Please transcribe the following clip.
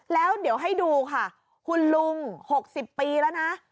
แล้วเดี๋ยวให้ดูค่ะคุณลุง๖๐ปีแล้วนะ